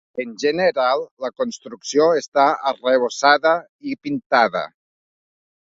En general, la construcció està arrebossada i pintada.